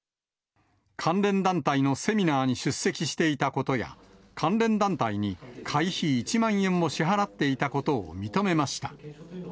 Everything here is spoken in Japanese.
関連団体のセミナーに出席していたことや、関連団体に会費１万円を支払っていたことを認めました。